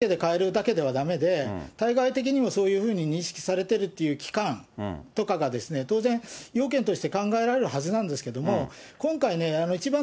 つまり、自分たちだけで変えるだけではなくて、対外的にもそういうふうに認識されてるっていう機関とかが当然、要件として考えられるはずなんですけども。